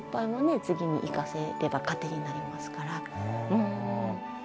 次に生かせれば糧になりますから。